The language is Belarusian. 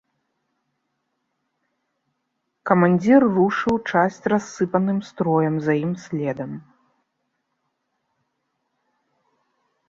Камандзір рушыў часць рассыпаным строем за імі следам.